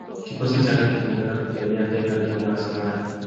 Kikosi chake kilikwenda kupigania Kenya dhidi ya Wasomali